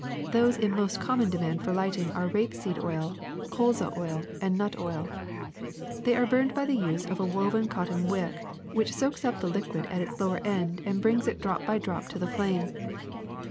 Those in most common demand for lighting are rape seed oil, colza oil, and nut oil. They are burned by the use of a woven cotton wick which soaks up the liquid at its lower end and brings it drop by drop to the flame.